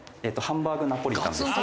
ハンバーグナポリタンです